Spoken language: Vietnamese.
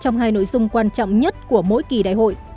trong hai nội dung quan trọng nhất của mỗi kỳ đại hội